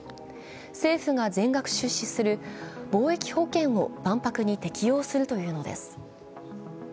政府が全額出資する貿易保険を万博に適用するというのです。